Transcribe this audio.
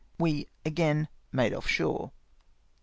we again made off shore.